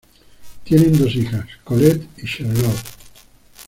Tienen dos hijas, Colette y Charlotte.